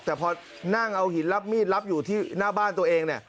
แต่พอนั่งเอาหินรับมีดรับอยู่ที่หน้าบ้านตัวเองเนี่ย